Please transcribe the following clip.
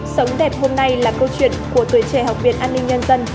sống đẹp hôm nay là câu chuyện của tuổi trẻ học viện an ninh nhân dân